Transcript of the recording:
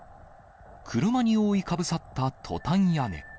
車に覆いかぶさったトタン屋根。